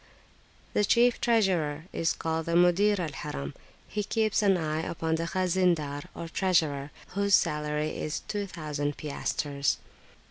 The chief treasurer is called the Mudir al Harim; he keeps an eye upon the Khaznadar, or treasurer, whose salary is 2000 piastres.